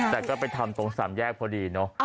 แต่ก็ไปทำตรงสามแยกพอดีเนอะ